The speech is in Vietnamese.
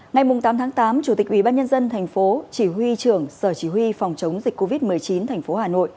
ngày tám tháng tám chủ tịch ubnd tp chỉ huy trưởng sở chỉ huy phòng chống dịch covid một mươi chín tp hà nội